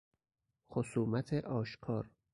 خصومت آشکار